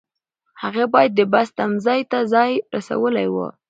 هغې باید د بس تمځای ته ځان رسولی وای.